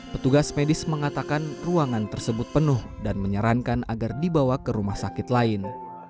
petugas medis mengatakan ruangan tersebut penuh dan menyarankan agar dibawa ke rumah sakit lain